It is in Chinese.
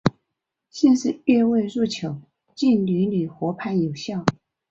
先是越位入球竟屡屡获判有效。